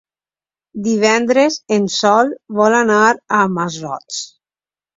Divendres en Sol vol anar al Masroig.